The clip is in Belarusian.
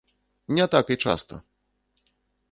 Не так і часта!